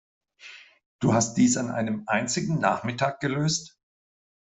Du hast dies an einem einzigen Nachmittag gelöst?